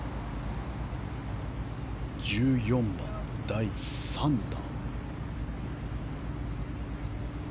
１４番の第３打。